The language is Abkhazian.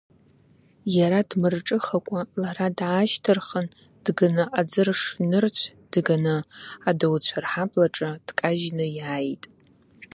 Иара дмырҿыхакәа лара даашьҭырхын, дганы аӡырш нырцә дганы, адауцәа рҳаблаҿы дкажьны иааит.